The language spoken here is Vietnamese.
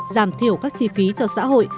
giảm thiểu các chi phí cho xã hội